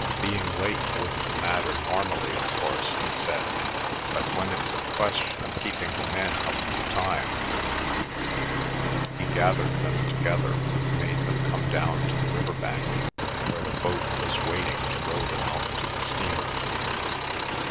"Being late wouldn't matter normally, of course," he said, "but when it's a question of keeping the men up to time—" He gathered them together and made them come down to the river bank, where the boat was waiting to row them out to the steamer.